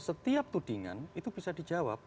setiap tudingan itu bisa dijawab